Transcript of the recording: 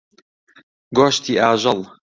گۆشتی ئاژەڵ.